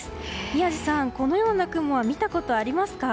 宮司さん、このような雲は見たことありますか？